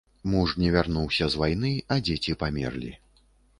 Муж не вярнуўся з вайны, а дзеці памерлі.